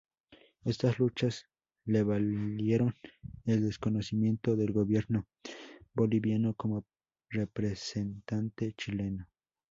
Estas luchas le valieron el desconocimiento del gobierno boliviano como representante chileno.